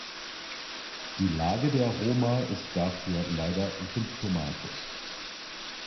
Die Lage der Roma ist dafür leider symptomatisch.